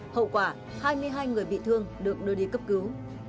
hậu quả hai mươi hai người bị thương được đưa đi cấp cứu